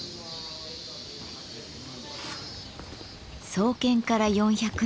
創建から４００年